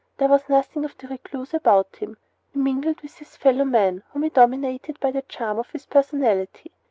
There was nothing of the recluse about him. He mingled with his fellow men, whom he dominated by the charm of his personality.